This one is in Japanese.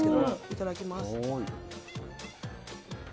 いただきます。